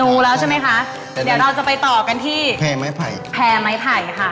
รู้แล้วใช่ไหมคะเดี๋ยวเราจะไปต่อกันที่แพร่ไม้ไผ่แพร่ไม้ไผ่ค่ะ